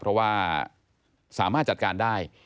เพราะว่าสามารถจัดการได้